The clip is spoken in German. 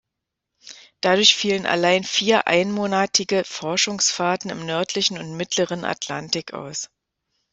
Dadurch fielen allein vier einmonatige Forschungsfahrten im nördlichen und mittleren Atlantik aus.